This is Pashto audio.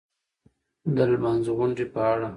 د لمانځغونډې په اړه